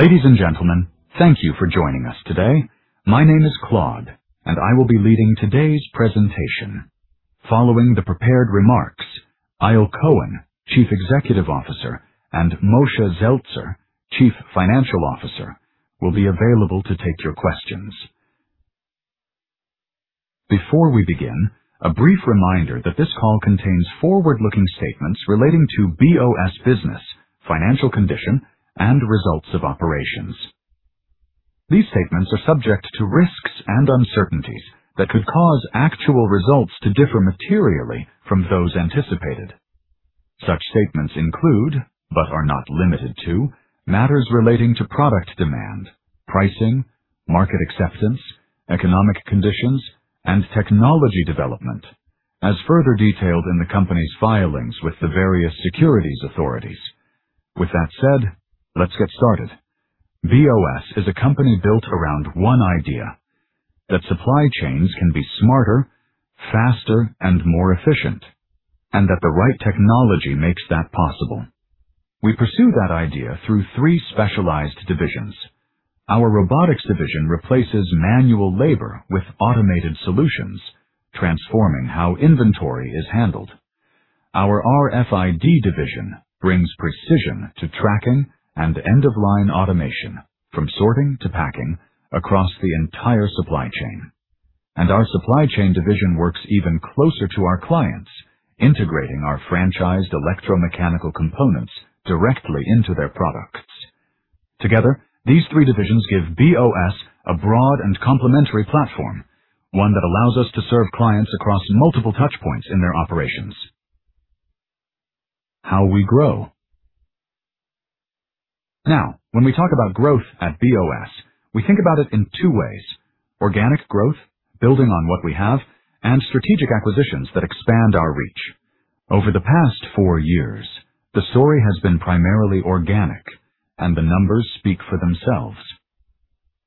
Ladies and gentlemen, thank you for joining us today. My name is Claude, and I will be leading today’s presentation. Following the prepared remarks, Eyal Cohen, Chief Executive Officer, and Moshe Zeltzer, Chief Financial Officer, will be available to take your questions. Before we begin, a brief reminder that this call contains forward-looking statements relating to BOS business, financial condition, and results of operations. These statements are subject to risks and uncertainties that could cause actual results to differ materially from those anticipated. Such statements include, but are not limited to, matters relating to product demand, pricing, market acceptance, economic conditions, and technology development, as further detailed in the company’s filings with the various securities authorities. With that said, let’s get started. B.O.S. is a company built around one idea: that supply chains can be smarter, faster, and more efficient, and that the right technology makes that possible. We pursue that idea through three specialized divisions. Our robotics division replaces manual labor with automated solutions, transforming how inventory is handled. Our RFID division brings precision to tracking and end-of-line automation from sorting to packing across the entire supply chain. Our supply chain division works even closer to our clients, integrating our franchised electromechanical components directly into their products. Together, these three divisions give B.O.S. a broad and complementary platform, one that allows us to serve clients across multiple touchpoints in their operations. How we grow. Now, when we talk about growth at B.O.S., we think about it in two ways: organic growth, building on what we have, and strategic acquisitions that expand our reach. Over the past four years, the story has been primarily organic, and the numbers speak for themselves.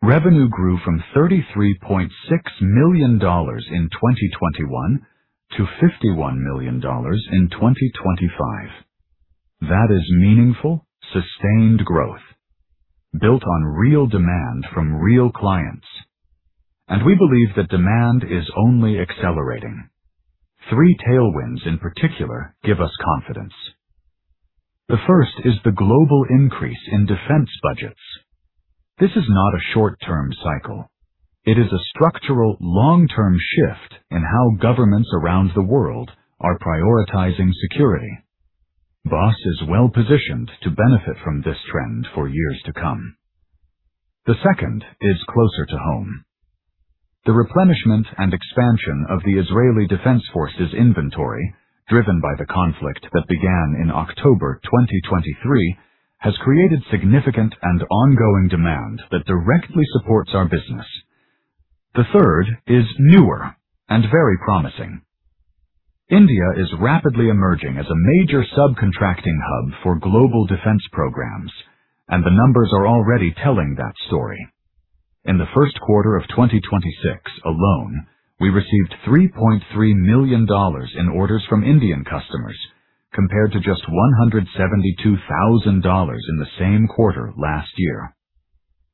Revenue grew from $33.6 million in 2021 to $51 million in 2025. That is meaningful, sustained growth built on real demand from real clients. We believe that demand is only accelerating. Three tailwinds in particular give us confidence. The first is the global increase in defense budgets. This is not a short-term cycle. It is a structural long-term shift in how governments around the world are prioritizing security. B.O.S. is well-positioned to benefit from this trend for years to come. The second is closer to home. The replenishment and expansion of the Israel Defense Forces inventory, driven by the conflict that began in October 2023, has created significant and ongoing demand that directly supports our business. The third is newer and very promising. India is rapidly emerging as a major subcontracting hub for global defense programs. The numbers are already telling that story. In the first quarter of 2026 alone, we received $3.3 million in orders from Indian customers, compared to just $172,000 in the same quarter last year.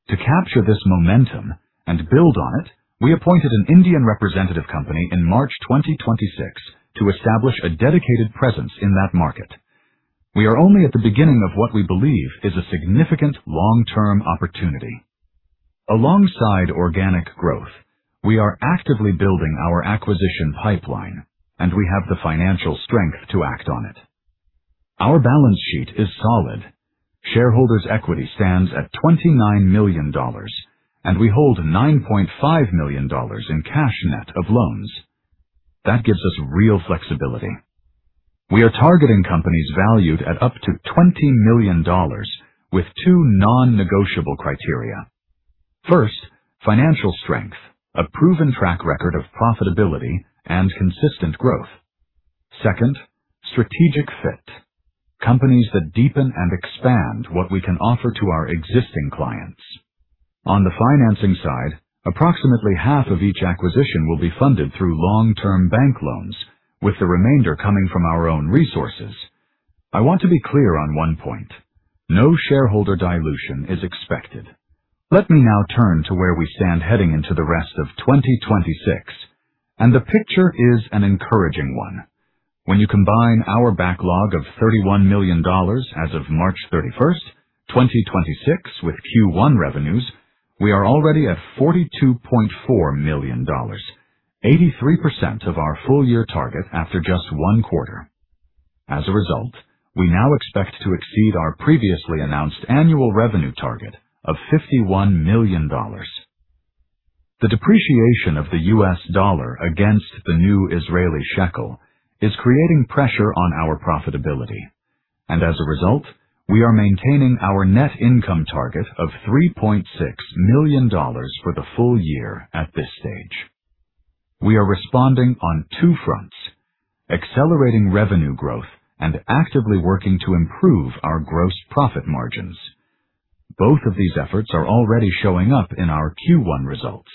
To capture this momentum and build on it, we appointed an Indian representative company in March 2026 to establish a dedicated presence in that market. We are only at the beginning of what we believe is a significant long-term opportunity. Alongside organic growth, we are actively building our acquisition pipeline, and we have the financial strength to act on it. Our balance sheet is solid. Shareholders’ equity stands at $29 million, and we hold $9.5 million in cash net of loans. That gives us real flexibility. We are targeting companies valued at up to $20 million with two non-negotiable criteria. First, financial strength, a proven track record of profitability and consistent growth. Second, strategic fit. Companies that deepen and expand what we can offer to our existing clients. On the financing side, approximately half of each acquisition will be funded through long-term bank loans, with the remainder coming from our own resources. I want to be clear on one point. No shareholder dilution is expected. Let me now turn to where we stand heading into the rest of 2026, and the picture is an encouraging one. When you combine our backlog of $31 million as of March 31st, 2026, with Q1 revenues, we are already at ILS 42.4 million, 83% of our full-year target after just one quarter. As a result, we now expect to exceed our previously announced annual revenue target of $ 51 million. The depreciation of the US dollar against the new Israeli shekel`` is creating pressure on our profitability. As a result, we are maintaining our net income target of $3.6 million for the full year at this stage. We are responding on two fronts, accelerating revenue growth and actively working to improve our gross profit margins. Both of these efforts are already showing up in our Q1 results.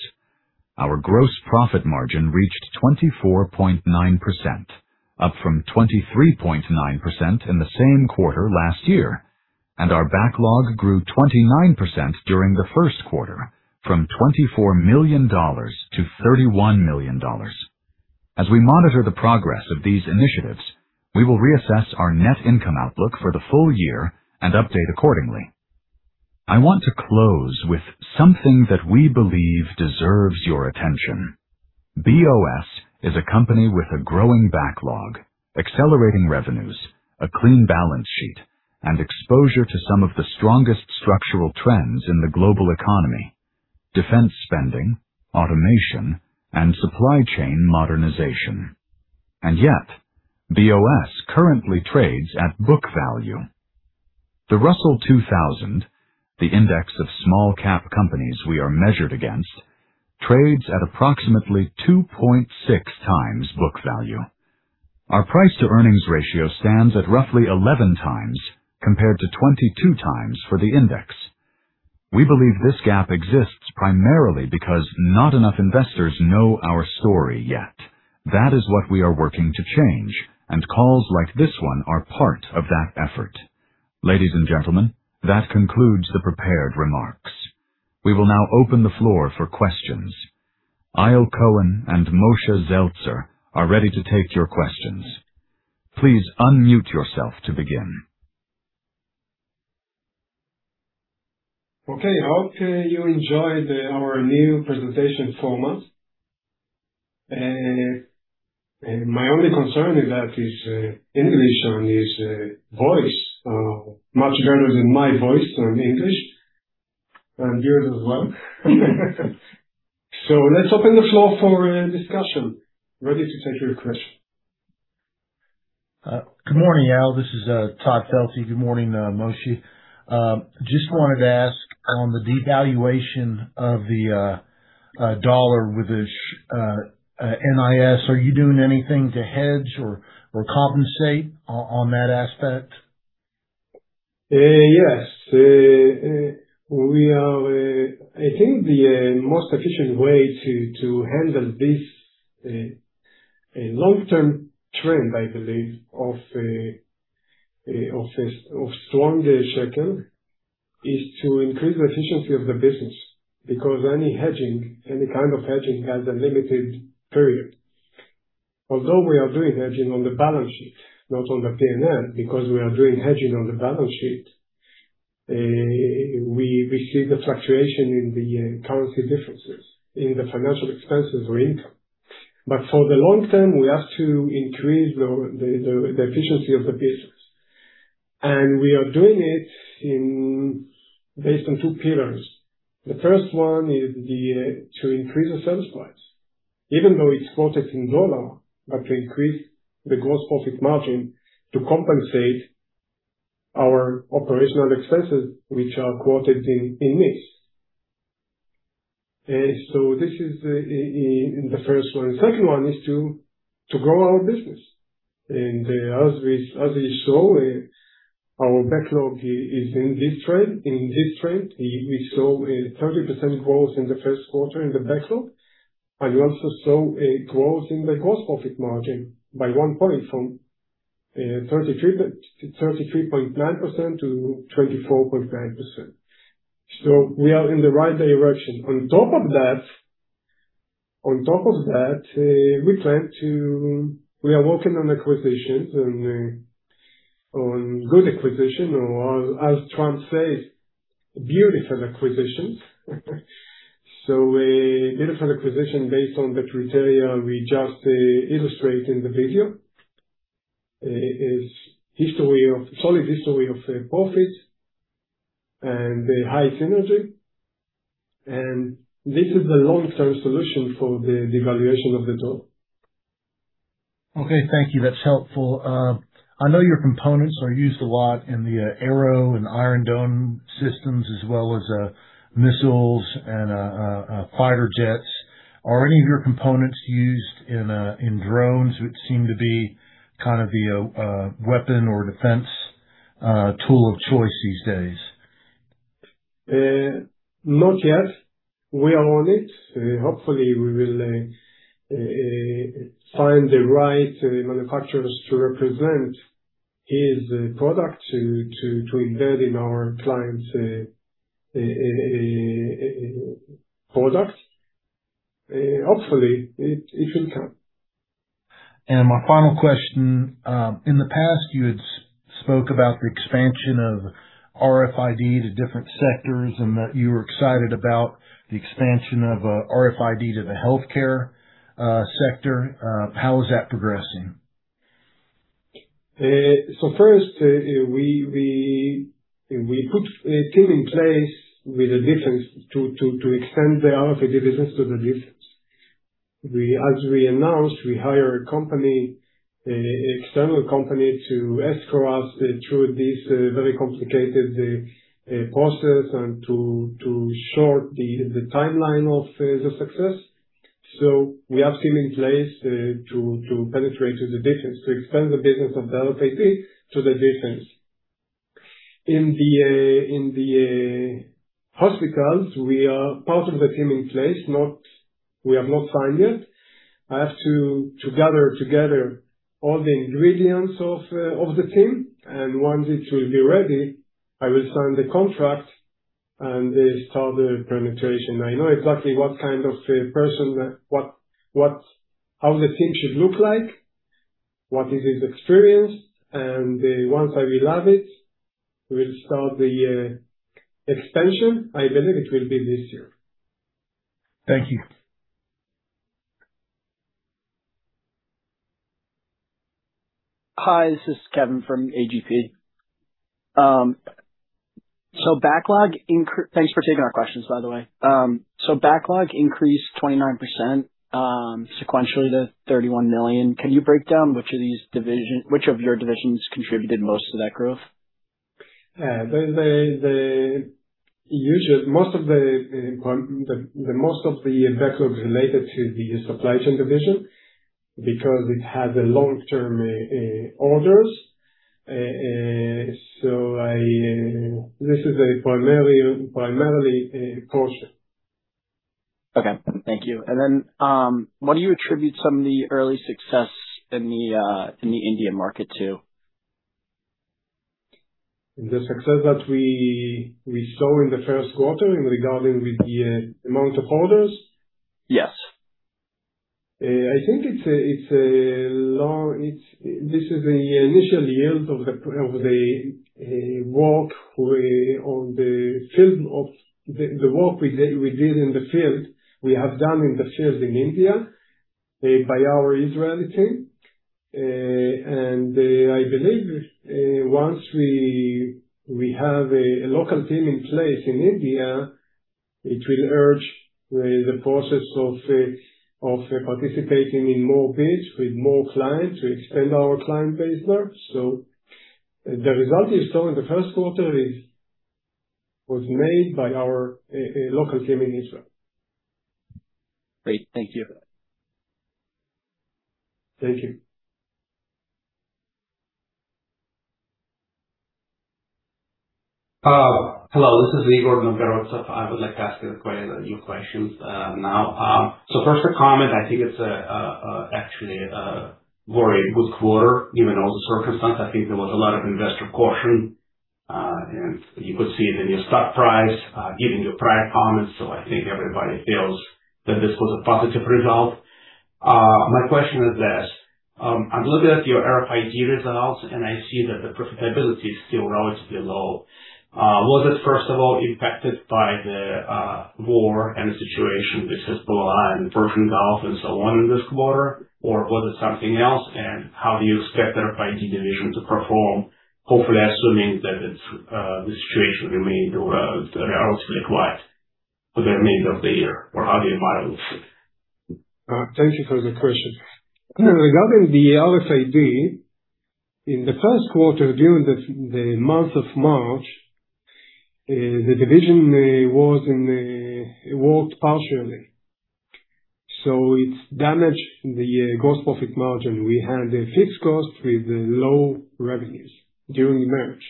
Our gross profit margin reached 24.9%, up from 23.9% in the same quarter last year, and our backlog grew 29% during the first quarter, from $24 million to $31 million. As we monitor the progress of these initiatives, we will reassess our net income outlook for the full year and update accordingly. I want to close with something that we believe deserves your attention. B.O.S. is a company with a growing backlog, accelerating revenues, a clean balance sheet, and exposure to some of the strongest structural trends in the global economy: defense spending, automation, and supply chain modernization. Yet, B.O.S. currently trades at book value. The Russell 2000, the index of small-cap companies we are measured against, trades at approximately 2.6 times book value. Our price-to-earnings ratio stands at roughly 11 times, compared to 22 times for the index. We believe this gap exists primarily because not enough investors know our story yet. That is what we are working to change, calls like this one are part of that effort. Ladies and gentlemen, that concludes the prepared remarks. We will now open the floor for questions. Eyal Cohen and Moshe Zeltzer are ready to take your questions. Please unmute yourself to begin. Okay. I hope you enjoyed our new presentation format. My only concern is that his English and his voice are much better than my voice in English, and yours as well. Let's open the floor for discussion. Ready to take your question. Good morning, Eyal. This is Todd Felte. Good morning, Moshe. Just wanted to ask on the devaluation of the U.S. dollar with the NIS, are you doing anything to hedge or compensate on that aspect? Yes. I think the most efficient way to handle this long-term trend, I believe, of strong Shekel, is to increase the efficiency of the business, because any hedging, any kind of hedging, has a limited period. Although we are doing hedging on the balance sheet, not on the P&L, because we are doing hedging on the balance sheet, we see the fluctuation in the currency differences in the financial expenses or income. For the long term, we have to increase the efficiency of the business. We are doing it based on two pillars. The first one is to increase the sales price. Even though it's quoted in dollar, but to increase the gross profit margin to compensate our operational expenses, which are quoted in NIS. This is the first one. The second one is to grow our business. As you saw, our backlog is in this trend. You saw a 30% growth in the first quarter in the backlog, and you also saw a growth in the gross profit margin by 1 point from 33.9% to 24.9%. We are in the right direction. On top of that, we are working on acquisitions, on good acquisition or, as Trump says, beautiful acquisitions. A beautiful acquisition based on the criteria we just illustrated in the video. Its solid history of profit and high synergy, and this is the long-term solution for the devaluation of the dollar. Okay. Thank you. That's helpful. I know your components are used a lot in the Arrow and Iron Dome systems, as well as missiles and fighter jets. Are any of your components used in drones, which seem to be the weapon or defense tool of choice these days? Not yet. We are on it. Hopefully, we will find the right manufacturers to represent this product to embed in our client's products. Hopefully, it will come. My final question. In the past, you had spoken about the expansion of RFID to different sectors and that you were excited about the expansion of RFID to the healthcare sector. How is that progressing? First, we put a team in place with the defense to extend the RFID business to the defense. As we announced, we hire a company, external company, to escort us through this very complicated process and to short the timeline of the success. We have team in place to penetrate to the defense, to expand the business of RFID to the defense. In the hospitals, we are part of the team in place. We have not signed yet. I have to gather together all the ingredients of the team, and once it will be ready, I will sign the contract and start the penetration. I know exactly what kind of person, how the team should look like, what is his experience, and once I will have it, we'll start the expansion. I believe it will be this year. Thank you. Hi, this is Kevin from A.G.P. Thanks for taking our questions, by the way. Backlog increased 29% sequentially to $31 million. Can you break down which of your divisions contributed most to that growth? Most of the backlog related to the supply chain division because it has long-term orders. This is a primary portion. Okay. Thank you. What do you attribute some of the early success in the India market to? The success that we saw in the first quarter in regarding with the amount of orders? Yes. I think this is the initial yield of the work we did in the field. We have done in the field in India by our Israeli team. I believe once we have a local team in place in India, it will urge the process of participating in more bids with more clients to extend our client base there. The result you saw in the first quarter was made by our local team in Israel. Great. Thank you. Thank you. Hello, this is Igor Novikov. I would like to ask a few questions now. First a comment. I think it's actually a very good quarter given all the circumstance. I think there was a lot of investor caution, and you could see it in your stock price, given your prior comments, so I think everybody feels that this was a positive result. My question is this. I'm looking at your RFID results, and I see that the profitability is still relatively low. Was it, first of all, impacted by the war and the situation with Hezbollah and Persian Gulf and so on in this quarter, or was it something else? And how do you expect the RFID division to perform, hopefully assuming that the situation remain relatively quiet for the remainder of the year? Or how do you evaluate it? Thank you for the question. Regarding the RFID, in the first quarter, during the month of March, the division worked partially. It's damaged the gross profit margin. We had a fixed cost with low revenues during March.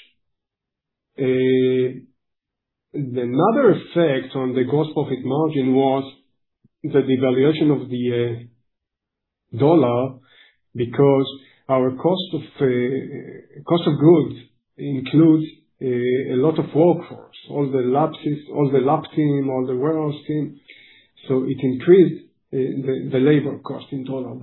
Another effect on the gross profit margin was the devaluation of the dollar because our cost of goods includes a lot of workforce, all the lab team, all the warehouse team. It increased the labor cost in total.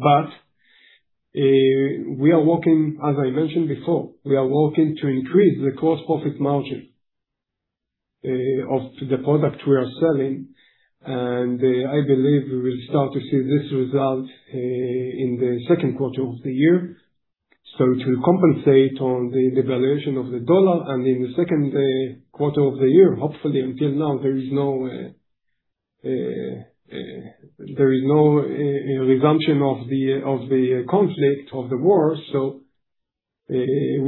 We are working, as I mentioned before, we are working to increase the gross profit margin of the product we are selling, and I believe we will start to see this result in the second quarter of the year. It will compensate on the devaluation of the dollar and in the second quarter of the year. Hopefully, until now, there is no resumption of the conflict of the war. It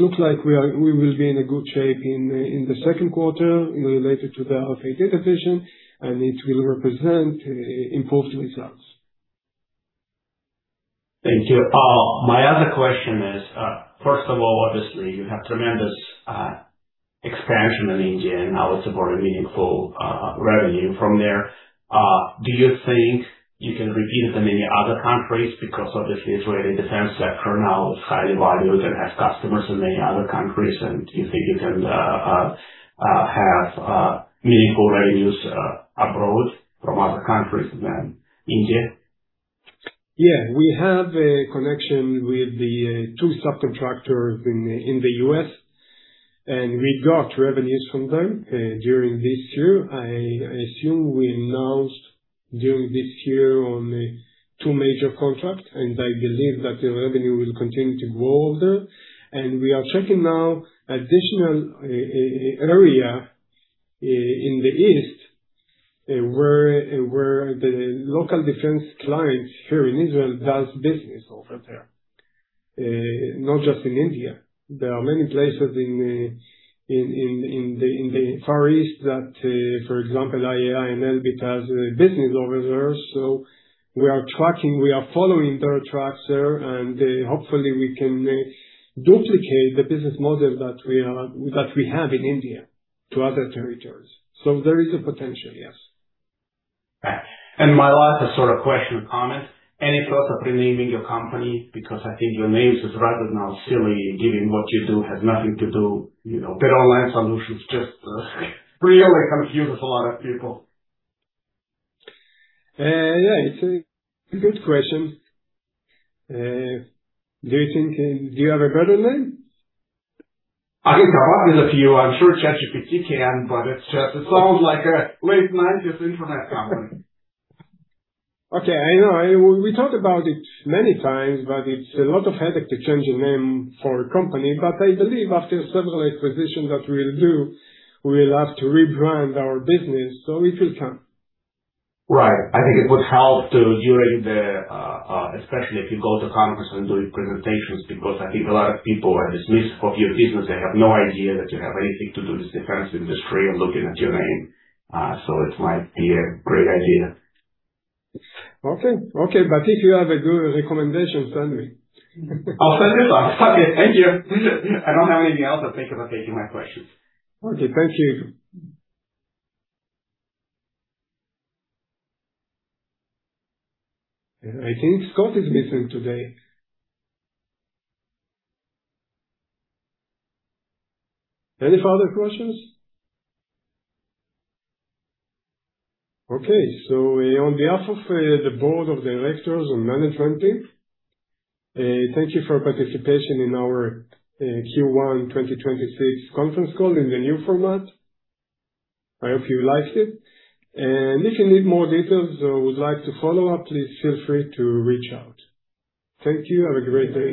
looks like we will be in a good shape in the second quarter related to the RFID division. It will represent improved results. Thank you. My other question is, first of all, obviously, you have tremendous expansion in India now with some more meaningful revenue from there. Do you think you can repeat the many other countries because of the Israeli defense sector now is highly valued and has customers in many other countries, and do you think you can have meaningful revenues abroad from other countries than India? Yeah. We have a connection with the two subcontractors in the U.S., we got revenues from them during this year. I assume we announced during this year on two major contracts, I believe that the revenue will continue to grow there. We are checking now additional area in the East, where the local defense clients here in Israel does business over there. Not just in India. There are many places in the Far East that, for example, IAI and Elbit has business over there. We are following their tracks there, and hopefully we can duplicate the business model that we have in India to other territories. There is a potential, yes. Right. My last sort of question or comment, any thoughts of renaming your company? I think your name is rather now silly given what you do, has nothing to do. Better Online Solutions just really confuses a lot of people. Yeah. It's a good question. Do you have a better name? I can come up with a few. I'm sure ChatGPT can, but it sounds like a late 1990s internet company. Okay. I know. We talked about it many times, but it's a lot of headache to change a name for a company. I believe after several acquisitions that we'll do, we'll have to rebrand our business, so it will come. Right.I think it would help especially if you go to conferences and doing presentations, because I think a lot of people are dismissive of your business. They have no idea that you have anything to do with this defense industry looking at your name. It might be a great idea. Okay. If you have a good recommendation, send me. I'll send you some. Okay. Thank you. I don't have anything else. Thank you for taking my questions. Okay. Thank you. I think Scott is missing today. Any further questions? Okay. On behalf of the board of directors and management team, thank you for your participation in our Q1 2026 conference call in the new format. I hope you liked it. If you need more details or would like to follow up, please feel free to reach out. Thank you. Have a great day